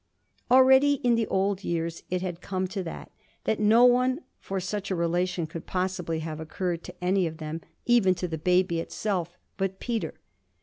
Already in the old years it had come to that that no one, for such a relation, could possibly have occurred to any of them, even to the baby itself, but Peter.